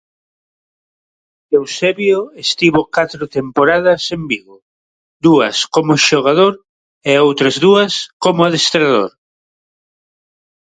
Eusebio estivo catro temporadas en Vigo, dúas como xogador e outras dúas como adestrador.